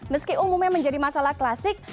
meski umumnya menjadi masalah klasik